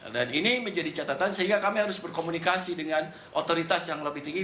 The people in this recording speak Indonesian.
dan ini menjadi catatan sehingga kami harus berkomunikasi dengan otoritas yang lebih tinggi